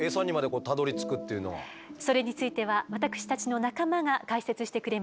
えっじゃあそれについては私たちの仲間が解説してくれます。